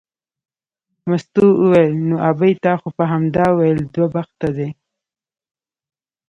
مستو وویل نو ابۍ تا خو به همدا ویل دوه بخته دی.